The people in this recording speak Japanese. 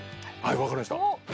分かりました。